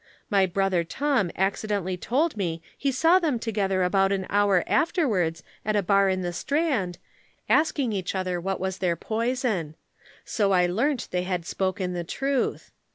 My brother Tom accidentally told me he saw them together about an hour afterwards at a bar in the Strand, asking each other what was their poison. So I learnt that they had spoken the truth.